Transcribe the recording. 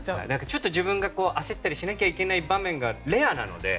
ちょっと自分が焦ったりしなきゃいけない場面がレアなので。